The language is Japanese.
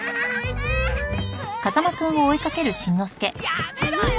やめろよ！